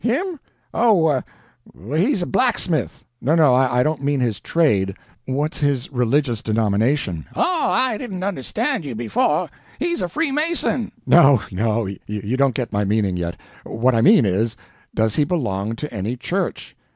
"Him? Oh, he's a blacksmith." "No, no I don't mean his trade. What's his RELIGIOUS DENOMINATION?" "OH I didn't understand you befo'. He's a Freemason." "No, no, you don't get my meaning yet. What I mean is, does he belong to any CHURCH?"